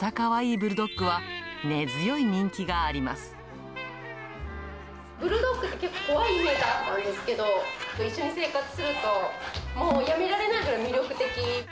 ブルドックって、結構怖いイメージあったんですけど、一緒に生活すると、もうやめられないくらい魅力的。